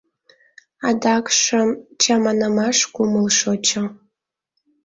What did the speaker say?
Адакшым чаманымаш кумыл шочо.